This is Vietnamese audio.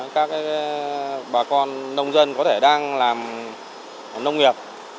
các bà con nông dân có thể đang làm nông nghiệp